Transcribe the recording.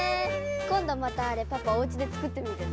こんどまたあれパパおうちでつくってみるね。